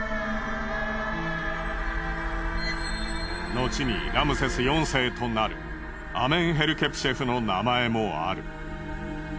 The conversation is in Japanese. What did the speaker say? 後にラムセス４世となるアメンヘルケプシェフの名前もある。